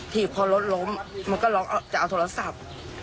ีบพอรถล้มมันก็ล็อกจะเอาโทรศัพท์